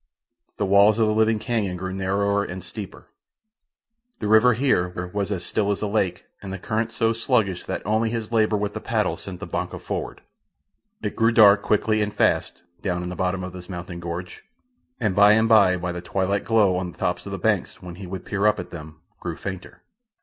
The walls of the living canon grew narrower and steeper. The river here was as still as a lake, and the current so sluggish that only his labour with the paddle sent the "banca" forward. It grew dark quickly and fast, down in the bottom of this mountain gorge, and by and by the twilight glow on the tops of the banks, when he would peer up at them, grew fainter.